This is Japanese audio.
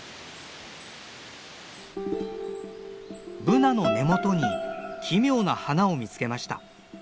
ブナの根元に奇妙な花を見つけました。